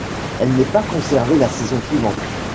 Elle n'est pas conservée la saison suivante.